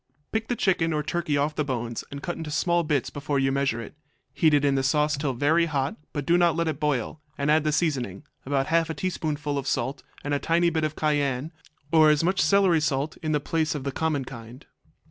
Pick the chicken or turkey off the bones and cut into small bits before you measure it. Heat it in the sauce till very hot, but do not let it boil, and add the seasoning, about half a teaspoonful of salt, and a tiny bit of cayenne, or as much celery salt in the place of the common kind.